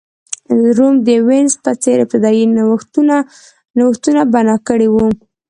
روم د وینز په څېر ابتدايي نوښتونه بنا کړي وو.